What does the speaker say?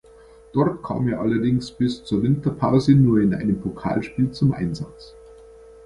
Dort kam er allerdings bis zur Winterpause nur in einem Pokalspiel zum Einsatz.